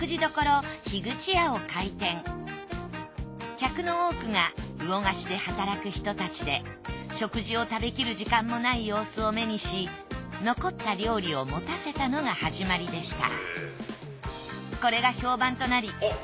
客の多くが魚河岸で働く人たちで食事を食べきる時間もない様子を目にし残った料理を持たせたのが始まりでした。